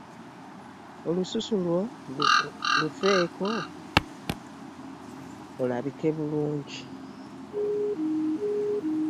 Olususu lwo lufeeko erabike bulungi.